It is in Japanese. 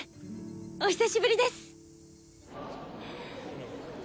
お久しぶりです。